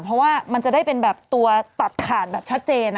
เพราะว่ามันจะได้เป็นแบบตัวตัดขาดแบบชัดเจน